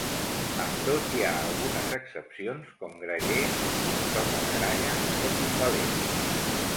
Amb tot hi ha algunes excepcions com graller -qui toca la gralla- o timbaler.